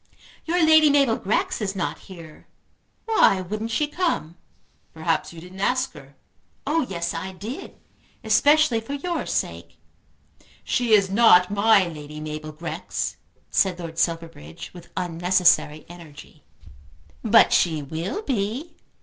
Your Lady Mabel Grex is not here. Why wouldn't she come?" "Perhaps you didn't ask her." "Oh yes I did; especially for your sake." "She is not my Lady Mabel Grex," said Lord Silverbridge with unnecessary energy. "But she will be."